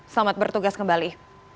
selamat bertugas kembali